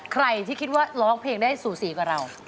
ใครที่คิดว่าร้องเพลงได้สูสีกว่าเรา